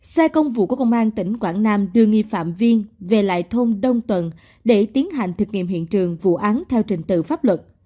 xe công vụ của công an tỉnh quảng nam đưa nghi phạm viên về lại thôn đông tuần để tiến hành thực nghiệm hiện trường vụ án theo trình tự pháp luật